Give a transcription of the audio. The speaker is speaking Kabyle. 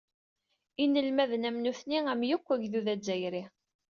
Inelmaden am nutni am yakk agdud azzayri.